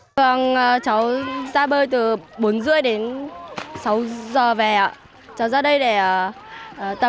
cháu ra bơi từ bốn h ba mươi đến sáu h về ạ cháu ra đây để tập cho biết bơi